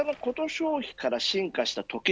消費から進化したトキ